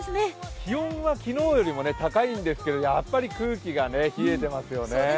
気温は昨日よりも高いんですけど、やっぱり空気が冷えていますよね。